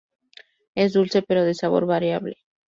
Es dulce, pero de sabor variable.